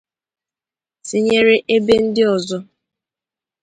tinyere ebe ndị ọzọ